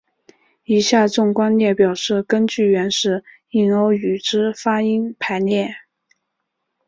以下纵观列表是根据原始印欧语之发音排列。